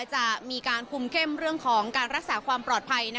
จะมีการคุมเข้มเรื่องของการรักษาความปลอดภัย